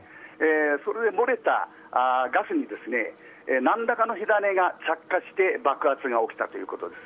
それで漏れたガスに何らかの火種が着火して爆発が起きたということです。